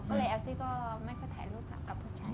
ก็เลยแอลซี่ก็ไม่ค่อยถ่ายรูปกับผู้ชาย